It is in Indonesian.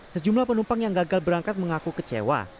sejumlah penumpang yang gagal berangkat mengaku kecewa